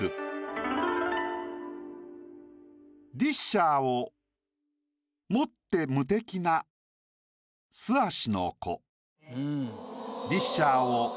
「ディッシャーを持って無敵な素足の子」。